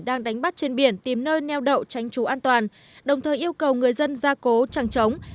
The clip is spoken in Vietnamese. đang đánh bắt trên biển tìm nơi neo đậu tránh trú an toàn đồng thời yêu cầu người dân ra cố trăng trống